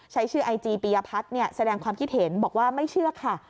ใช้ชื่อไอจีปียพัฒน์แสดงความคิดเห็นบอกว่าไม่เชื่อค่ะ